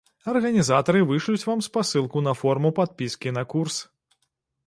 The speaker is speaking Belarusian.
Арганізатары вышлюць вам спасылку на форму падпіскі на курс.